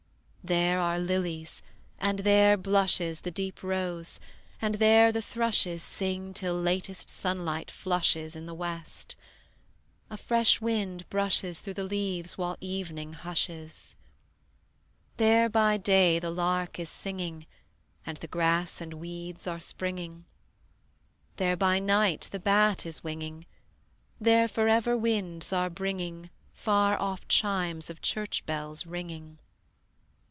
There are lilies, and there blushes The deep rose, and there the thrushes Sing till latest sunlight flushes In the west; a fresh wind brushes Through the leaves while evening hushes. There by day the lark is singing And the grass and weeds are springing: There by night the bat is winging; There forever winds are bringing Far off chimes of church bells ringing.